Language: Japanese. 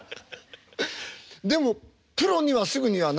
でもプロにはすぐにはならない。